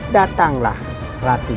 datanglah rati guru